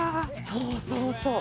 そうそうそう。